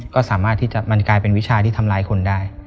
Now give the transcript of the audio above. ก็สามารถที่มันกลายเป็นวิชาที่ทำร้ายคนได้